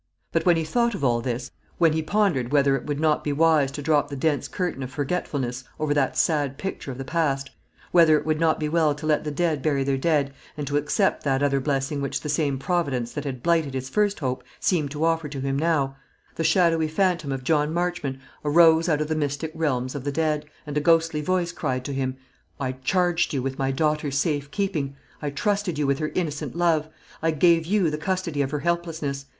But when he thought of all this, when he pondered whether it would not be wise to drop the dense curtain of forgetfulness over that sad picture of the past, whether it would not be well to let the dead bury their dead, and to accept that other blessing which the same Providence that had blighted his first hope seemed to offer to him now, the shadowy phantom of John Marchmont arose out of the mystic realms of the dead, and a ghostly voice cried to him, "I charged you with my daughter's safe keeping; I trusted you with her innocent love; I gave you the custody of her helplessness.